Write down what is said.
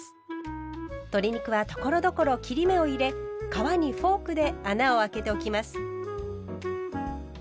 鶏肉はところどころ切り目を入れ皮にフォークで穴をあけておきます。